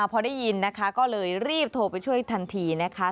พอได้ยินนะคะก็เลยรีบโทรไปช่วยทันทีนะคะ